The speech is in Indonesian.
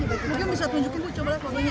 mungkin bisa tunjukin bu cobalah pokoknya